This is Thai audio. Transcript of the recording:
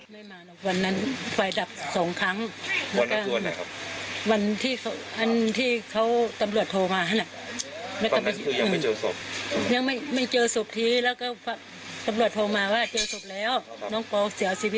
ก็เลยแม่เขาก็เลยมาตามป้าบอกป้าว่า๖โมงนะไปเจ็บกระดูกไอ้ปอ